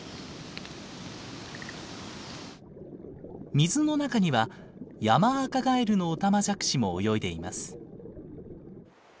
水の中にはヤマアカガエルのオタマジャクシも泳いでいます。